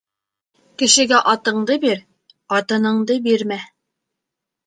Кешегә атыңды бир, ҡатыныңды бирмә.